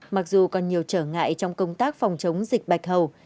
mặc dù còn nhiều trở ngại trong công tác phòng chống dịch bạch hầu